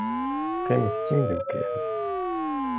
Qqiment d timeddukal.